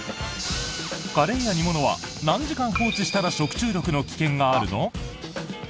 カレーや煮物は何時間放置したら食中毒の危険があるの？